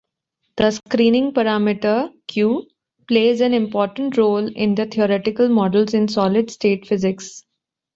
The screening parameter "q" plays an important role in theoretical models in solid-state physics.